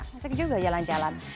masih juga jalan jalan